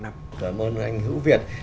cảm ơn anh hữu việt